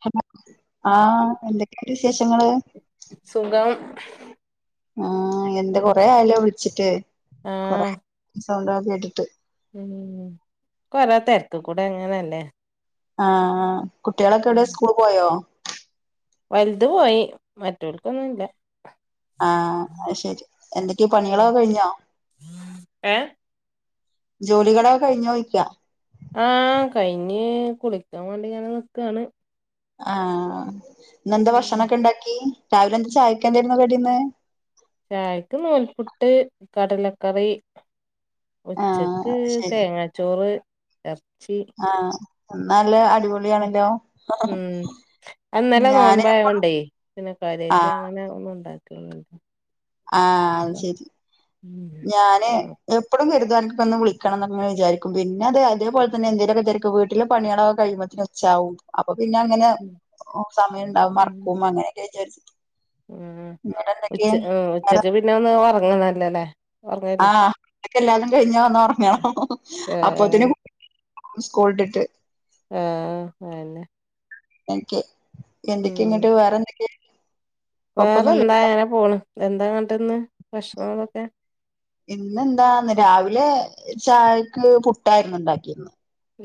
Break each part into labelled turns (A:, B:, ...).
A: [unintelligible] ആഹ് എന്തൊക്കെയുണ്ട് വിശേഷങ്ങള്
B: സുഖം
A: ആഹ് എന്താ
B: ഉം
A: കൊറെ ആയാലോ വിളിച്ചിട്ട് കൊറെ
B: ആഹ്
A: സൗണ്ടൊക്കെ കേട്ടിട്ട്
B: ഉം കൊറ തിരക്ക് കൂടെ അങ്ങനല്ലേ
A: ആ കുട്ടിയളൊക്കെ എവിടെയ
B: ഉം
A: സ്കൂൾ പോയോ
B: വലുത് പോയി മറ്റവർക്കൊന്നുംല്ല
A: ആഹ് അത് ശെരി എന്തൊക്കെയ
B: ഉം
A: പണികളൊക്കെ കഴിഞ്ഞോ
B: ഏഹ്
A: ജോലികളോ കഴിഞ് ചോയിക്കാ
B: ആഹ് കഴിഞ്ഞ് കുളിക്കാൻ വേണ്ടി ഇങ്ങനെ നിക്കാണ്
A: ആഹ് ഇന്നെന്താ
B: ഉം
A: ഭക്ഷണൊക്കെ ഉണ്ടാക്കി രാവിലെ എന്താ ചായക്കേണ്ടായിരുന്നു കടീന്ന്
B: ചായക്ക് നൂൽപ്പുട്ട് കടലക്കറി
A: ആഹ്
B: ഉച്ചക്ക്
A: ശരി
B: തേങ്ങാച്ചോറ് ഇറച്ചി
A: ആഹ് എന്നാല്ലോ അടിപൊളിയാണല്ലോ
B: ഇന്നല്ലെ
A: ഞാന്
B: നോൻപായോണ്ടേ പിന്നെ കാര്യമായിട്ട്
A: ആഹ്
B: അങ്ങനെ ഒന്നും ഇണ്ടാക്കില്ല
A: ആഹ് അത് ശരി ഞാന് എപ്പോഴും കരുതും അനക് ഒന്ന് വിളിക്കണം എന്നക്കങ്ങെ വിചാരിക്കും പിന്നെ അതേപോലെന്നെ എന്തേലൊക്കെ തെരക്ക് വീട്ടിലെണോ പണിയോളൊക്കെ കഴിയ്മ്പോ ച്ചാവും അപ്പൊ പിന്നെ അങ്ങനെ
B: ഉം
A: സമയം ഉണ്ടാവും മറക്കും അങ്ങനെയൊക്കെ വിചാരിച്ചട്ട്
B: ഉം ഉച്ച ഉ ഉച്ചക്ക് പിന്നെ ഒന്ന് ഉറങ്ങാ ന്നല്ലേല്ലേ
A: ആഹ് അതക്കെ എല്ലാതും കഴിഞ്ഞ വന്ന ഉറങ്ങണം
B: ആഹ്
A: അപ്പത്തിന് സ്കൂൾട്ടിട്ട്
B: ആഹ് അതെന്നെ
A: എനിക്കെ എന്തൊക്കെയ ഇങ്ങോട്ട് വേറെന്തൊക്ക
B: വേറെ എന്താ അങ്ങനെ പോണ് എന്താ ഇന്നിട്ട് ഭഷണം അതൊക്കെ
A: ഇന്ന്ന്താന്ന് രാവിലെ ചായക്ക് പുട്ടായിരുന്നു ഇണ്ടാക്കിന്ന്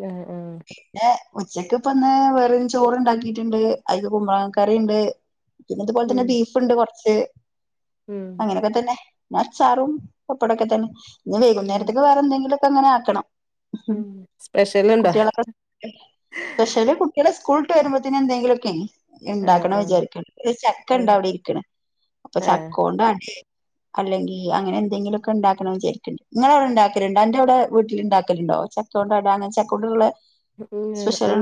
B: ആഹ് ആഹ്
A: പിന്നെ ഉച്ചക്ക് ഇപ്പ ഒന്ന് വേറൊ ചോറ് ഉണ്ടാക്കിട്ടുണ്ട് അയിക്ക് കുമ്പള കറി ഉണ്ട് പിന്നെ ഇതുപോലെ
B: ഉം
A: തന്നെ ബീഫുണ്ട് കൊറച്ച്
B: ഉം
A: അങ്ങനെയൊക്കെ തന്നെ മച്ചാറും പപ്പടൊക്കെ തന്നെ ഇനി
B: ഉം
A: വൈകുന്നേരത്തേക്ക് വേറെ എന്തെങ്കിലുക്കെ അങ്ങനെ ആക്കണം
B: ഉ സ്പെഷ്യല്
A: കുട്ടിയളൊക്കെ സ്പെഷ്യലി കുട്ടിയള് സ്കൂളട്ട് വരുമ്പോത്തേന് എന്തെങ്കിലുമൊക്കെയ
B: ആഹ്
A: ഉണ്ടാക്കണം
B: ആഹ്
A: വിചാരിക്കിണ് ഒരു ചക്ക ഉണ്ട
B: ആഹ്
A: അവിടെ ഇരിക്കണ അപ്പൊ ചക്ക
B: ആഹ്
A: കൊണ്ട് അടെ അല്ലെങ്കി അങ്ങനെ എന്തെങ്കിലൊക്കെ ഉണ്ടാക്കണം വിചാരിക്കുണ്ട് നിങ്ങങ്ങള അവിടെ ഉണ്ടാക്കലുണ്ടോ അന്റെ അവിടെ വീട്ടിൽ ഉണ്ടാക്കലുണ്ടോ ച [unintelligible] ചക്കണ്ടുള്ള
B: ഉം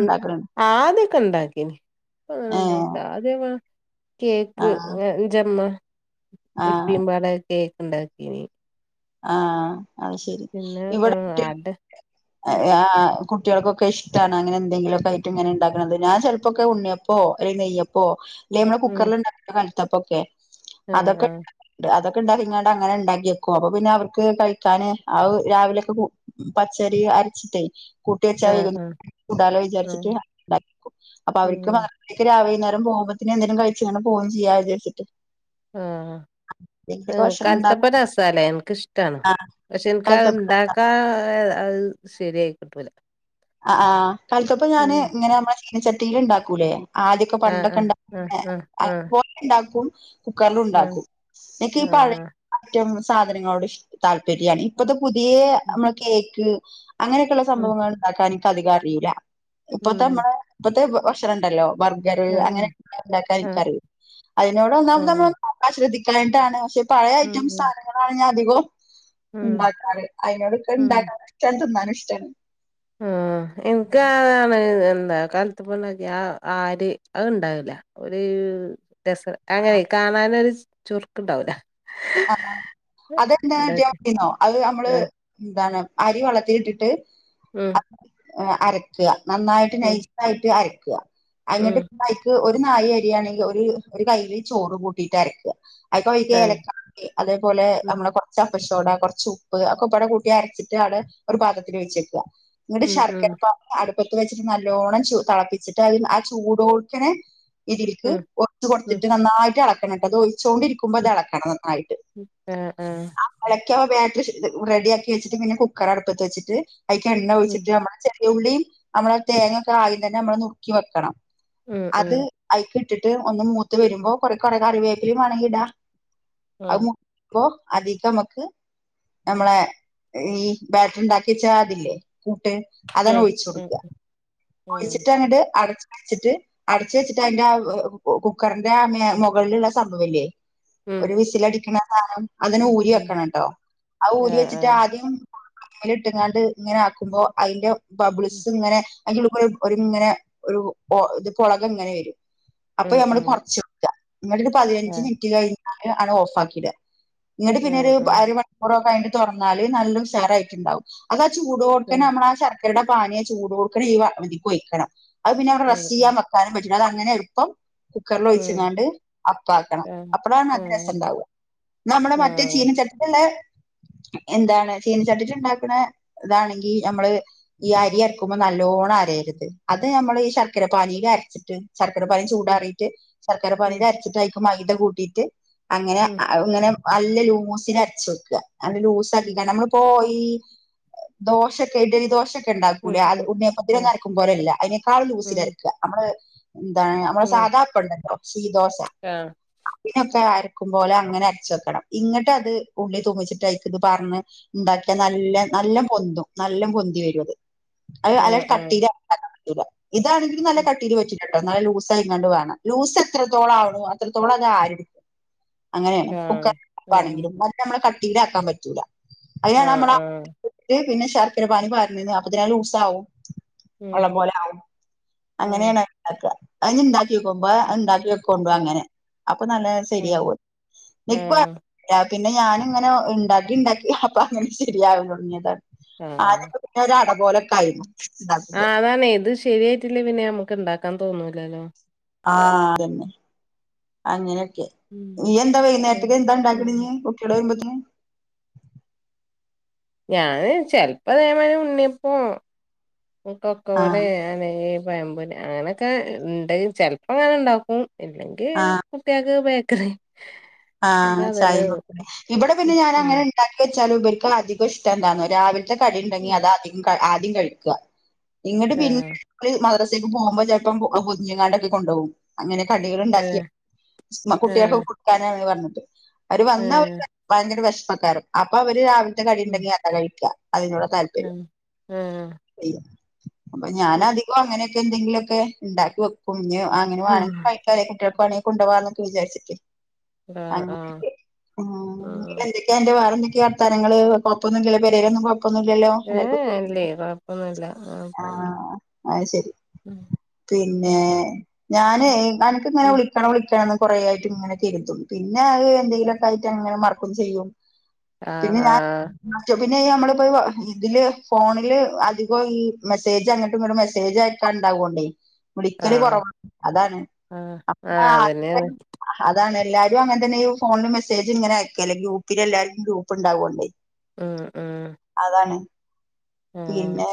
B: ആദ്യൊക്കെ ഉണ്ടാക്കീന്
A: ഏഹ്
B: ആദ്യ [unintelligible] കേക്ക്
A: ആഹ്
B: ഇഞ്ചമ്മ
A: ആഹ്
B: ഇപിൻപാടെ കേക്ക് ഉണ്ടാക്കീന്
A: ആഹ് അത് ശെരി
B: പിന്നെ
A: ഇവിടെ
B: ആഹ് അട ഉം
A: കുട്ടിയൾക്കൊക്കെ ഇഷ്ടാണ് അങ്ങനെ എന്തെങ്കിലൊക്കെ ആയിട്ടും ഇങ്ങനെ ഉണ്ടാക്കണുന്നത് ഞാ ചിലപ്പോൊക്കെ ഉണ്ണിയപ്പോ അല്ലെങ്കി നെയ്യപ്പോ ഓഹ് ലേ നമ്മടെ
B: ഉം
A: കുക്കർലിണ്ടാക്കണ കലത്തപ്പൊക്കെ
B: ആഹ്
A: അതൊക്കെ
B: ആഹ്
A: അതൊക്കെ ഇണ്ടാക്കിങ്ങാണ്ട് അങ്ങനിണ്ടാക്കി വെക്കും അപ്പൊ പിന്നെ അവർക്ക് കഴിക്കാന് ആ രാവിലൊക്കെ പച്ചരി അരിച്ചിട്ടേ കൂട്ടി വെച്ചാ
B: ആഹ് ആഹ്
A: വൈക്ണ്ടലോ വിചാരിച്ചിട്ട്
B: ആഹ്
A: അപ്പൊ അവർക്കും
B: ഉം
A: അ എനിക്ക് രാവി വൈന്നേരം പോംമ്പത്തേന് എന്തേലും കഴിച്ചിങ്ങട് പോവും ചെയ്യാ വിചാരിച്ചിട്ട്
B: ആഹ് അ
A: എന്തെങ്കിലൊക്കെ ഭക്ഷണം
B: കൽത്തപ്പ
A: ഉണ്ടാക്കും
B: രസ സാലെ എനിക്കിഷ്ടാണ് പക്ഷെ
A: ആഹ്
B: എനിക്കതുണ്ടാക്കാ അത് ശരിയായി കിട്ടൂല
A: അ ആഹ് കലത്തപ്പം ഞാന് ഇങ്ങനെ നമ്മ ചീനിച്ചട്ടിയിലിണ്ടാക്കൂലേ ആദ്യൊക്കെ
B: ആഹ് ആഹ്
A: പണ്ടൊക്കിണ്ടാ
B: ആഹ്
A: അ
B: ആഹ്
A: പോയി ഇണ്ടാക്കും
B: ആഹ്
A: കുക്കർലുണ്ടാക്കും. എനിക്കീപഴയ
B: ആഹ്
A: മറ്റും സാധനങ്ങളോടു ഇഷ്ട്ടാ താല്പര്യാണെ ഇപ്പത്തെ പുതിയ
B: ആഹ്
A: നമ്മടെ കേക്ക് അങ്ങനെക്കിള്ള
B: ഉം
A: സംഭവങ്ങളുണ്ടാക്കാൻ എനിക്കധികറിയില്ല. ഇപ്പത്തെ
B: ഉം
A: നമ്മുടെയിപ്പത്തെ ഭക്ഷണുണ്ടല്ലോ ബർഗറ്
B: ആഹ്
A: അങ്ങനെയുണ്ടാക്കാനെ
B: ആഹ്
A: നിക്കറിയും അയിനോട് ഒന്നാമത്
B: ആഹ്
A: നമ്മള് അശ്രദ്ധിറക്കായിട്ടാണ് പക്ഷെ പഴയ
B: ഉം
A: ഐറ്റം
B: ഉം
A: സാധനങ്ങളാണ് ഞാ അധികവും
B: ഉം
A: ഇണ്ടാക്കാറ് അയിനോടൊക്കെ ഇണ്ടാക്കാനും ഇഷ്ട്ടാ തിന്നാനും ഇഷ്ട്ടാണ്
B: ഉം എൻക്ക് അതാണ് എന്താ കൽ [unintelligible] ഞാ ആര് അതുണ്ടാവില്ല ഒരൂ രസ അങ്ങനെ കാണാനൊരു ചുറുക്കുണ്ടാവൂല
A: അതന്നെ
B: ഇണ്ടാക്കി
A: ജോപ്പിംങ്ങോ അത് അമ്മള്
B: ആഹ്
A: എന്താണ് അരിവെളളത്തിലിട്ടിട്ട്
B: ഉം
A: അ അരക്കുക നന്നായിട്ട്
B: ഉം
A: നൈസായിട്ട് അരക്കുക
B: ഉം
A: അന്നിട്ട് ഒരു നാഴിയരിയാണെങ്കി ഒരു ഒരു കയ്യില് ചോറു കൂട്ടിയിട്ടരക്ക അയിക്കൊരിക്ക
B: ആഹ്
A: ഏലക്ക അതേപോലെ
B: ഉം
A: നമ്മളകൊർച്ച് അപ്പ സോഡാ കൊർച്ചുപ്പ് ഒക്കപ്പാട കൂട്ടിയരച്ചിട്ടാണ് ഒരു പാത്രത്തിലൊഴിച്ചു വെക്ക എന്നിട്ട്
B: ഉം ഉം
A: ശർക്കരപ്പ അടുപ്പത്ത് വെച്ചിട്ട് നല്ലോണം ചൂ തെളപ്പിച്ചിട്ട് അതിൽ ആ ചൂടോടുതന്നെ ഇതിലേക്ക്
B: ഉം
A: ഒഴിച്ചുകൊടുത്തിട്ടു നന്നായിട്ടെളക്കണം എന്നിട്ടത് ഒഴിച്ചോണ്ടിരി
B: ഉം ആഹ് ആഹ്
A: ആ എളക്കിയ ബാറ്ററ് വെച്ചിട്ട് ഇത് റെഡി ആക്കി വെച്ചിട്ടിങ്ങനെ കുക്കറടുപ്പത്ത് വെച്ചിട്ട് അയിക്കെണ്ണ
B: ഉം
A: ഒഴിച്ചിട്ട് നമ്മള് ചെ ഉള്ളീ നമ്മള തേങ്ങൊക്ക ആദ്യംതന്നെ നമ്മളുനുറുക്കി വെക്കണം
B: ഉം
A: അത്
B: ഉം
A: അയികിട്ടിട്ട് ഒന്ന് മൂത്തുവെരുംമ്പോ കൊറെ കൊറെ കറിവേപ്പിലേം വേണങ്കിടാം അത്
B: ആഹ്
A: മൂത്തു മ്പോ അതീക്കു നമുക്ക് നമ്മളെ ഈ ബാറ്ററിണ്ടാക്കി വച്ചാതില്ലേ കൂട്ട് അതങ്ങ്
B: ഉം
A: ഒഴിച്ചു
B: ഉം
A: കൊടുക്ക
B: ഉം
A: ഒഴിച്ചിട്ടെന്നിട്ട് അടച്ച് വെച്ചിട്ട് അടച്ചുവെച്ചിട്ട് അതിന്റെ അ കുക്കറിന്റെ ആ മേ മുകളിലുള്ള സംഭവില്ലേ
B: ഉം
A: ഒരുവിസിലടിക്കണ സാനം അതിനെ
B: ഉം
A: ഊരി
B: ഉം
A: വെക്കണം ട്ടോ അത് ഊരി
B: ആഹ് ആഹ്
A: വെച്ചിട്ടാദ്യം അതിലിട്ടിങ്ങാണ്ട് ഇങ്ങനാക്കുമ്പോ അയിന്റെ ബബിൾസിങ്ങനെ അയിന്റെ ഉള്ളിക്കൂടെ ഒരിങ്ങനെ ഒരു ഒ ഇത് കൊളകിങ്ങനെ വെരും അപ്പൊ
B: ഉം ഉം
A: നമ്മളുകൊറച്ചിക്ക എന്നിട്ടൊരു പതിനഞ്ചു
B: ആഹ്
A: മിനിറ്റുകഴിഞ്ഞാണ് ഓഫാക്കിടുക ഇങ്ങട്ട് പിന്നൊരു
B: ആഹ് ആഹ്
A: അര മണിക്കൂറു കഴിഞ്ഞിട്ടു തൊറന്നാല് നല്ല ഉഷാറായിട്ടുണ്ടാവും അതാ ചൂടോടുതന്ന നമ്മളാ ശർക്കരയുടെ പാനിയെ ചൂടോട്ക്കന്നെ ഈ ഇതീകൊയിക്കണം അതുപിന്നെ അവിടെ റസ്റ്റെയ്യാൻ വെക്കാനുംപറ്റും അതങ്ങനെ എളുപ്പം കുക്കറിൽ
B: ഉം ഉം ഉം
A: ഒഴിച്ചിങ്ങാണ്ട് അപ്പാക്കണം അപ്പളാണു
B: ഉം ആഹ് ആഹ്
A: നല്ലരസുണ്ടാവ എന്നാ നമ്മുടെ മറ്റേ
B: ആഹ്
A: ചീനിച്ചട്ടീലൊള്ള എന്താണ് ചീനിച്ചട്ടിയിലിണ്ടാക്കണ ഇതാണെങ്കി നമ്മള് ഈ അരക്കുമ്പോ നല്ലോണ്ണമരയരുത്, അത് നമ്മള് ശർക്കര പാനീയിലരച്ചിട്ട് ശർക്കര
B: ഉം
A: പാനിചൂടാറിയിട്ട് ശരക്കര
B: ഉം
A: പാനിയിലരച്ചിട്ടതിലേക്കു മൈദ കൂട്ടിയിട്ടങ്ങനെ
B: ഉം ഉം
A: അങ്ങനെ നല്ല ലൂസിനരച്ചുവെക്കുക. നല്ല ലൂസാക്കിയിങ്ങനെ നമ്മള് ഇപ്പോയീ ദോശക്കെ, ഇഡ്ഡലി ദോശക്കെ
B: ഉം
A: ഉണ്ടാക്കൂലെ,
B: ഉം
A: ഉണ്ണിയപ്പത്തിന്നരക്കും പോലെയല്ല, അതിനേക്കാൾ
B: ഉം
A: ലൂസിലരക്കുക നമ്മള് എന്താണ് നമ്മള് സാധാ അപ്പം ഉണ്ടല്ല ഈ ദോശ
B: ആഹ്
A: അതിനൊക്കെയരക്കും പോലെ ഇങ്ങനെ അരച്ചു വെക്കണം. ഇങ്ങിട്ടത് ഉള്ളി തൂക്കിച്ചിട്ടതിനകത്തുപാടനെ ഉണ്ടാക്കിയാനല്ല, നല്ല പൊന്തും. നല്ലപൊന്തി വരും, അത് അതുനല്ല
B: ആഹ് ആഹ് ആഹ്
A: കട്ടീല ഇതാണെങ്കിലും നല്ല കട്ടീൽ വരും കേട്ടോ എന്ന ലൂസ് ആയണ്ട് വേണം ലൂസ് എത്രത്തോളം ആണോ അത്രത്തോളം അത് ആരി അങ്ങനെയാണ്
B: ആഹ് ആഹ്
A: കുക്കർണെങ്കിലും അ നമ്മ കട്ടിലാക്കാൻ പറ്റൂല്ല അതിനാണ്
B: ആഹ്
A: നമ്മള
B: ആഹ്
A: പിന്നെ ശർക്കിര പാനി പറഞ്ഞന്ന് അപ്പൊ തന്നെ ലൂസാവവും
B: ഉം
A: വെള്ളം പോലെ ആകും
B: ഉം
A: അങ്ങനെയണ ഉണ്ടാക്ക അതി ഇണ്ടാക്കി വെക്കുമ്പോത് ഇണ്ടാക്കി വെക്ക കൊണ്ടപ അങ്ങനെ അപ്പൊ നല്ല
B: ആഹ്
A: ശരിയാക നിക്കവാ
B: ആഹ്
A: പിന്നെ ഞനിങ്ങനെ ഉണ്ടാക്കി ഉണ്ടാക്കി അപ്പൊ അങ്ങനെ ശരിയാകൻ തുടങ്ങിയതാണ്
B: ആഹ് ആഹ്
A: ആദ്യ അട പോലെക്കായ്ഞ്ഞു.
B: ആഹ് അതാണ് ഇത് ശരിയായിട്ടില്ലേ പിന്നെ നമുക്ക് ഇണ്ടാക്കാൻ തോന്നൂലല്ലോ.
A: ആഹ് അതന്നെ അങ്ങനെയൊക്കെ.
B: ഉം
A: നീ എന്ത
B: ഉം
A: വൈകുനേരത്ത് എന്താ
B: ഉം
A: ഉണ്ടാക്കണേ കുട്ടിക്കൾവരുമ്പത്തേന്
B: ഞാന് ചെലപ്പോ ഇതേ മാതിരി ഉണ്ണിയപ്പോ ഈ പൊക്കവടെ
A: ആഹ്
B: അല്ലെങ്കി പഴംപൊരി അങ്ങനെ ക്കെഉണ്ട് ചെലപ്പോ അങ്ങനെ ഉണ്ടാക്കും ഇല്ലെങ്കിൽ
A: ആഹ്
B: കുട്ടിയാക്ക് ബേക്കറി. ഓൽക്ക്
A: ആഹ്
B: അതന്നെ
A: ചായം കു ഇവിടെ പിന്നെ ഞാൻ
B: ഉം
A: അങ്ങനെ ഉണ്ടാക്കി വെച്ചാലും ഉപർക്ക് അധികം ഇഷ്ട എന്താണ് രാവിലത്തെ കടിയ ഉണ്ടെങ്കി
B: ഉം
A: അധികം ആദ്യം കഴിക്കുക ഇങ്ങിട്ട്
B: ആഹ്
A: പിന്നെ മദ്രാസേക്ക് പോകുമ്പോ ചിലപ്പോം പോതിഞ്ഞുങ്ങാണ്ട്ക്കെ കൊണ്ട്പോകും. അങ്ങനെ കടികൾ ഉണ്ടാക്കിയ
B: ഏഹ്
A: കുട്ടികൾക്ക്
B: ആഹ്
A: കൊടുക്കാന പറഞ്ഞിട്ട് അവര് വന്ന
B: ഏഹ്
A: അവര്ക്ക് ഭയങ്കര വിഷമക്കാരം അപ്പൊ അവര് രാവിലത്തെ കടിയ
B: ഉം
A: ഉണ്ടെങ്കി അത്ര കഴിക്ക അതിനോട താല്പര്യം
B: ഉം ആഹ്
A: അപ്പൊ ഞാനധികം അങ്ങനെ എന്തെങ്കിലുമൊക്കെ ഉണ്ടാക്കിവെക്കും അങ്ങനെ
B: ഉം
A: വേണെങ്ക കെ കുട്ടികൾണെങ്ക കൊണ്ട പോകവാന്നൊക്കെ വിചാരി
B: ആഹ് ആഹ്
A: [unintelligible]
B: ആഹ്
A: എന്റെ വേറെക്കെ വർത്താനങ്ങങ്ങള് കൊയപ്പൊന്ന് ഇല്ലല്ലോ പര
B: ഏഹ് ഇല്ലേ
A: കൊയ്പ്പന്നല്ലോല്ല
B: കൊഴപ്പൊന്നുല്ല അങ്ങനെ പോണ്ട്
A: ആഹ് ആഹ് ശരി.
B: ഉം
A: പിന്നെ
B: ഉം
A: ഞാന് അനക്ക് ഇന്നലെ
B: ഉം
A: വിളി വിളിക്കണംന്ന് കൊറേ ആയിട്ടും ഇങ്ങനെ കരുതും പിന്നെ അത് എന്തെങ്കിലുമൊക്കെ ആയിട്ട് അങ്ങനെ മർക്കും ചെയ്യും പിന്നെ
B: ആഹ് ആഹ്
A: പിന്നെ നമ്മളിപ്പോ ഇതില് ഫോണില് അധികം ഈ മെസ്സേജ് അങ്ങോട്ട് മെസ്സേജ് ആഹ് ണ്ടാവണ്ടേ വിളിക്കല്
B: ആഹ്
A: കൊറവാണ് അതാണ്
B: ആഹ്
A: അ
B: ആഹ് അതന്നെയാണ്
A: അതാണ് എല്ലാരും അനെ തന്നെ ഫോണ മെസേജ് ഇങ്ങനെക്കല്ലേ ഗൂപ്പിൽ എല്ലരും ഗ്രൂപ്പ ഉണ്ടാകോണ്ടേ
B: ഉം ഉം.
A: അതാണ്.
B: ആഹ്
A: പിന്നെ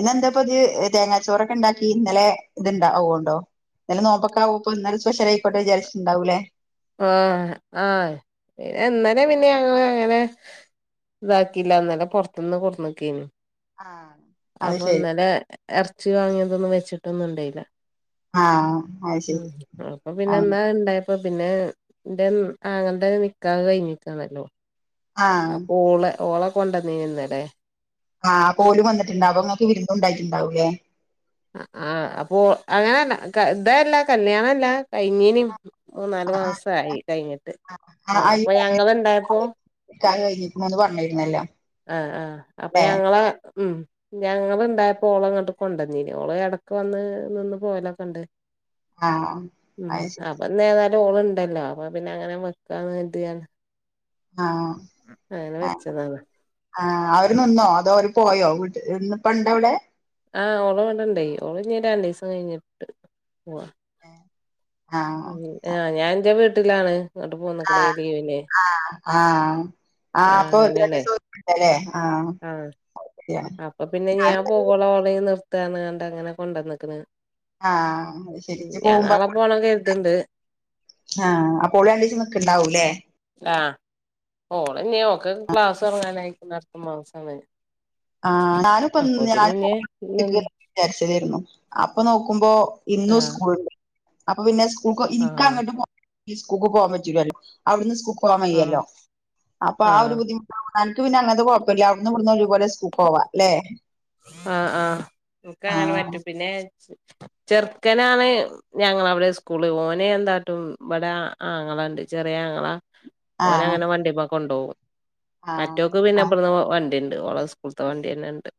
A: ഇന്നെന്താപ്പതിയ തേങ്ങാച്ചോറൊക്കെ ഇണ്ടാക്കി ഇന്നലെ ഇത്ണ്ടാവണ്ടോ. എന്നല്ല നോബക്കാവുമ്പ ഇപ്പ ഇന്നാലും സ്പെഷൽ ആയിക്കോട്ടെ എന്ന് വിചാരിച്ച് ഉണ്ടാവുലേ
B: ആഹ് ആഹ് ഏഹ് ഇന്നലെ പിന്നെ ഞങ്ങള്ങ്ങനെ താക്കില്ല ഇന്നല്ലെ പൊറ്ത്ത്ന്ന് കൊട്ന്ന്ക്കേന്നു
A: ആഹ്.
B: അപ്പൊ ഇന്നലെ എർച്ചി വാങ്ങ്യെതൊന്നും വെച്ചിട്ടൊന്നുണ്ടയില്ല
A: ആ അത് ശരി
B: ഉം അപ്പൊ
A: ആ
B: പിന്നെ ഇന്നാണ്ടായി അപ്പൊ പിന്നെ ഇന്റെ ആങ്ങൾൻ്റെ നിക്കാഹ് കഴിഞ്ഞിക്കാണല്ലോ.
A: ആ
B: അപ്പൊ ഓളെ ഓളെ കൊണ്ടോന്നീനിന്നല്ലേ
A: ആഹ് അപ്പോലും വന്നിട്ട്ണ്ടാവും അപ്പോങ്ങക്ക് വിര്ന്നുണ്ടായിട്ടുണ്ടാവുല്ലേ.
B: ആഹ് ആഹ് അപ്പോ അങ്ങനല്ല ക ഇതല്ല കല്യാണല്ല. കഴിഞ്ഞിനി മൂന്നാല്
A: ആഹ്
B: മാസായി കഴിഞ്ഞിട്ട് ആഹ് അപ്പൊ ഞങ്ങള്ണ്ടായപ്പോ
A: പറഞ്ഞിരുന്നു നിക്കാഹ് കയിഞ്ഞിക്ക്ണു ന്ന് പറഞ്ഞിരുന്നല്ലോ.
B: ആഹ് ആഹ് അപ്പൊ
A: ല്ലേ
B: ഞങ്ങളെ ഉം. ഞങ്ങള്ണ്ടായപ്പൊ ഓളങ്ങട്ട് കൊണ്ടന്നീനി ഓളെ എടക്ക് വന്ന് നിന്ന് പോലൊക്കെണ്ട്.
A: ആഹ്
B: ഉം
A: അത് ശരി
B: അപ്പൊ എന്തെയാലും ഓള്ണ്ടല്ലോ അപ്പൊ പിന്നെ അങ്ങനെ വെക്കാന്ന് കര്ത്യാ ണ്ട്
A: ആഹ്
B: അങ്ങനെ
A: ആഹ്
B: വെച്ചതാണ്.
A: ആഹ് അവര് നിന്നോ അതോ ഓര് പോയോ വീട്ട് ഇന്ന്പ്പണ്ടവടെ?
B: ആഹ് ഓള് വടെണ്ടെയ് ഓള് ഞ്ഞി രണ്ടീസം കഴിഞ്ഞിട്ട് പോവാ.
A: ഏഹ്
B: ഉം ആഹ് ഞാൻ ന്റെ വീട്ടിലാണ്. ഇങ്ങട്ട് പോന്ന്ക്ക്ണ് ഈ
A: ആഹ്
B: ലീവിന്
A: ആഹ് ആഹ് ആഹ് അപ്പൊ ഒന്ന് രണ്ടീസം ഓല് [unintelligible] ലേ ആഹ് ശരിയാണ്
B: അപ്പൊ പിന്നെ ഞാൻ
A: ഞാന്
B: പോകോളോളിം നിർത്താന്നണ്ടങ്ങനെ കൊണ്ടന്ന്ക്ക്ണ്
A: ആഹ് അത് ശെരി
B: ഉം
A: ജ്
B: ഞാൻ
A: പോവുമ്പോ
B: നാളെ പോണം
A: [unintelligible]
B: കര്ത്ണ്ട്
A: ആഹ് അപ്പൊ ഓള് രണ്ടിസം ന്ക്ക് ണ്ടാവുലേ.
B: ആഹ് ഓള്ഞ്ഞി ഓക്കൊക്കെ ക്ലാസൊട്ങ്ങാനായിക്ക്ണ്. അട്ത്ത മാസാണ്.
A: ആഹ് ഞാനുപ്പന്ന്
B: അപ്പൊത്തിന്
A: ഞാനും
B: ഇഞ്ഞ്
A: പോണോന്ന്
B: നിന്ന്
A: [unintelligible] വിചാര്ച്ചെതെര്ന്നു. അപ്പൊ നോക്കുമ്പോ ഇന്നും
B: ആഹ്
A: സ്കൂൾണ്ട്. അപ്പൊ പിന്നെ സ്കൂക്ക്
B: ആഹ്
A: ഇൻക്കങ്ങണ്ട് പോ സ്ക്കൂക് പോവാൻ കജൂലല്ലോ. അവ്ട്ന്ന് സ്ക്കൂക് പോവാൻ
B: ആഹ്
A: വയ്യല്ലോ അപ്പോ ആ ഒര്
B: ആഹ്
A: ബുദ്ധിമു അൻക്ക് പിന്നെ അങ്ങൻത്തെ കൊഴപ്പല്ല്യ അവ്ട്ന്നും ഇവട്ന്നും ഒരുപോലെ സ്ക്കൂക്കോവാ ല്ലെ.
B: ആഹ് ആഹ് ഇൻക്കങ്ങനെ പറ്റും പിന്നെ ചെർക്കനാണ് ഞങ്ങളവടെ സ്കൂള് ഓനെന്താട്ടും ഇബടെ ആങ്ങളണ്ട് ചെറ്യേ ആങ്ങളാ
A: ആഹ്
B: ഓനങ്ങനെ വണ്ടിമ്മേകൊണ്ടോവും.
A: ആഹ്
B: മറ്റോക്ക് പിന്നെ
A: ആഹ്
B: ഇബട്ന്ന് വണ്ടിണ്ട്. ഓളെ സ്കുൾത്തെ വണ്ട്യന്നെണ്ട്.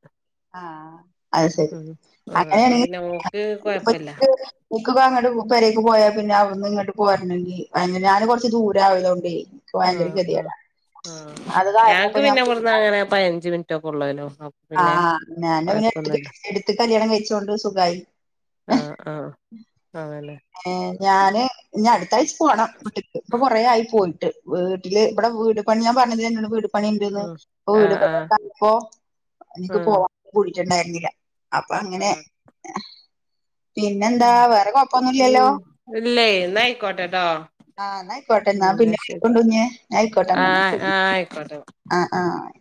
A: ആഹ് അത് ശെരി
B: ആഹ് അപ്പൊ
A: അങ്ങനെണെങ്കി
B: പിന്നെ ഓക്ക് കൊഴപ്പല്ല
A: [unintelligible] ഇൻക്കൊക്കങ്ങട്ട് പെരേക്ക് പോയാ പിന്നെ അവ്ട്ന്ന്ങ്ങോട്ട് പോരണെങ്കി അയ്ന് ഞാന് കൊറച്ച് ദൂരയതൊണ്ടേ ക്ക് ദയങ്കര
B: ആഹ് ആഹ്
A: കെത്യേടാ അത് കാരണപ്പ ഞാൻ കുട്
B: ന്ന അങ്ങനെ പയ്നഞ്ച് മിൻറ്റൊകൊള്ളേലോ അപ്
A: ആഹ് ആഹ് ഞാൻ പിന്നെ എട്ത്ത്ക്ക് കെട്ടിച്ച് എട്ത്ത് ക്ക് കല്യാണം കഴിച്ചോണ്ട് സുഖയി.
B: ആഹ് ആഹ് ആഹ് തന്നെ.
A: ഏഹ് ഞാന് ഇഞട്ത്താഴ്ച പോണം വീട്ട്ക് ഇപ്പ കൊറേ ആയി പോയിട്ട്. വീട്ടില് ഇബടെ വീട് പണി ഞാം പർഞ്ഞിലെ അന്നോട് വീട് പണി ണ്ട്ന്ന്.
B: ഉം
A: ഇപ്പൊ വീട്
B: ആഹ് ആഹ്
A: പണ്യൊക്കായപ്പോ ഇൻക്ക്
B: ആഹ്
A: പോവാൻ കുടിട്ട്ണ്ടായിര്ന്നില്ല. അപ്പൊ അങ്ങനെ
B: ആഹ്
A: എഹ്
B: മ് മ് ഇല്ലേ എന്നയിക്കോട്ടെട്ടോ
A: ആഹ് ന്നയിക്കോട്ടെന്നാ പിന്നെ വിളികൊണ്ടുഞ്ഞെ. ആ ആയിക്കോട്ടെ
B: ആഹ്
A: ന്നാശെരി
B: ആഹ് ആയിക്കോട്ടെ
A: ആഹ് ആഹ്